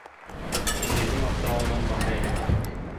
Әмирҙең аптырауынан башы әйләнеп китте.